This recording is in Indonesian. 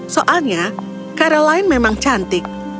soalnya caroline memang cantik